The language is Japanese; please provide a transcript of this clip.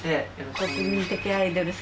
国民的アイドル様。